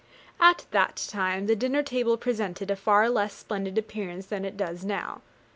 At that time the dinner table presented a far less splendid appearance than it does now.